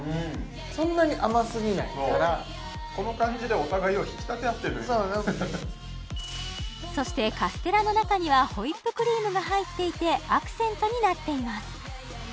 そんなに甘すぎないからこの感じでお互いを引き立て合ってるそしてカステラの中にはホイップクリームが入っていてアクセントになっています